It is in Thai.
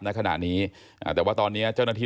ณขณะนี้อ่าแต่ว่าตอนนี้เจ้าหน้าที่